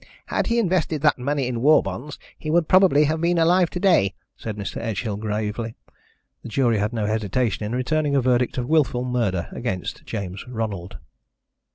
"Had he invested that money in war bonds he would have probably been alive to day," said Mr. Edgehill gravely. The jury had no hesitation in returning a verdict of wilful murder against James Ronald.